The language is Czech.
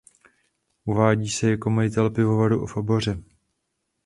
Uvádí se jako majitel pivovaru v Oboře.